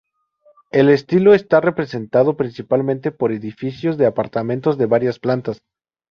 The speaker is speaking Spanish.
El estilo está representado principalmente por edificios de apartamentos de varias plantas.